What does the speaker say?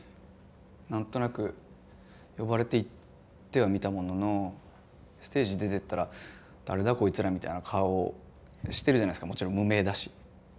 何となく呼ばれて行ってはみたもののステージ出てったら「誰だこいつら」みたいな顔をしてるじゃないですかもちろん無名だし。